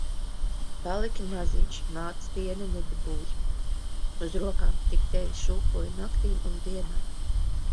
Paliki maziņš, mātes piena nedabūji. Uz rokām tik tevi šūpoju naktīm un dienām.